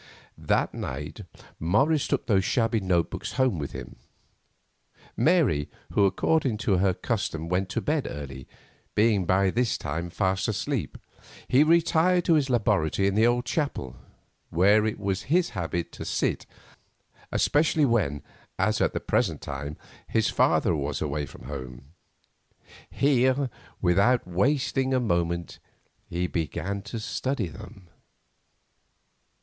That night Morris took those shabby note books home with him. Mary, who according to her custom went to bed early, being by this time fast asleep, he retired to his laboratory in the old chapel, where it was his habit to sit, especially when, as at the present time, his father was away from home. Here, without wasting a moment, he began his study of them.